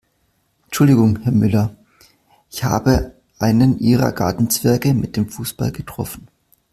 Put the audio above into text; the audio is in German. Entschuldigung Herr Müller, ich habe einen Ihrer Gartenzwerge mit dem Fußball getroffen.